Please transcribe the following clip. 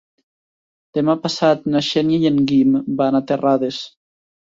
Demà passat na Xènia i en Guim van a Terrades.